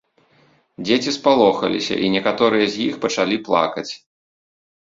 Дзеці спалохаліся, і некаторыя з іх пачалі плакаць.